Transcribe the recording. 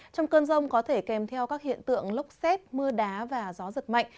trong cơn rông có thể kèm theo các hiện tượng lốc xét mưa đá và gió giật mạnh